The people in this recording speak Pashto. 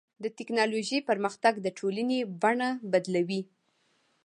د ټکنالوجۍ پرمختګ د ټولنې بڼه بدلوي.